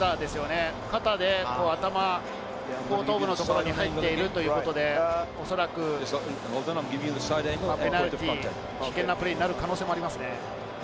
肩で頭、後頭部のところに入っているということで、おそらくペナルティー、危険なプレーになる可能性がありますね。